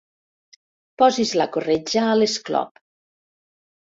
Posis la corretja a l'esclop.